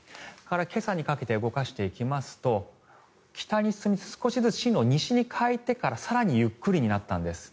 今朝にかけて動かしていきますと北に進みつつ少しずつ西に進路を変えてから更にゆっくりになったんです。